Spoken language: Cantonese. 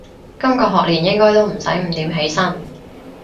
今個學年應該都唔使五點起身